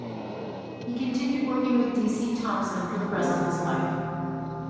He continued working with D. C. Thomson for the rest of his life.